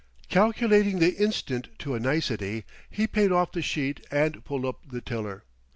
Calculating the instant to a nicety, he paid off the sheet and pulled up the tiller.